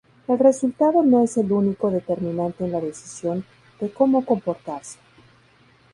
El resultado no es el único determinante en la decisión de cómo comportarse.